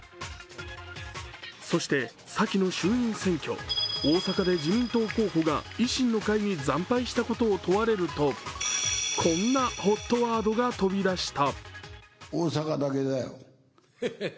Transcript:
そして、さきの衆院選挙、大阪で維新の会に惨敗したことを問われるとこんなＨＯＴワードが飛び出した。